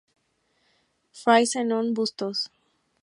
Fray Zenón Bustos.